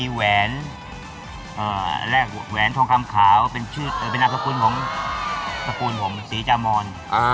แหวนทองกำขาวเป็นนักสกุลของสีจามอน